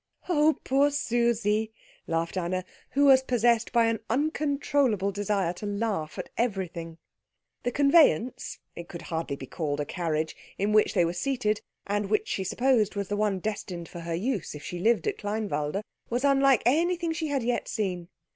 "Oh, poor Susie!" laughed Anna, who was possessed by an uncontrollable desire to laugh at everything. The conveyance (it could hardly be called a carriage) in which they were seated, and which she supposed was the one destined for her use if she lived at Kleinwalde, was unlike anything she had yet seen.